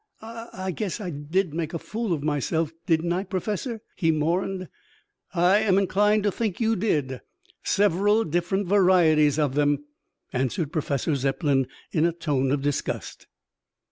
"I I guess I did make a fool of myself, didn't I, Professor?" he mourned. "I am inclined to think you did several different varieties of them," answered Professor Zepplin in a tone of disgust.